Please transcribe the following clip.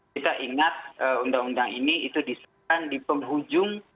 kita ingat undang undang ini itu disahkan di penghujung